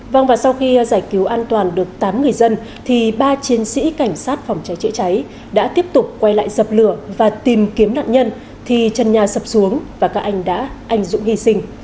vâng và sau khi giải cứu an toàn được tám người dân thì ba chiến sĩ cảnh sát phòng cháy chữa cháy đã tiếp tục quay lại dập lửa và tìm kiếm nạn nhân thì trần nhà sập xuống và các anh đã anh dũng hy sinh